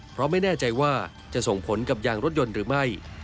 เพราะไม่แน่ใจว่าจะส่งผลกับยางรถยนต์หรือไม่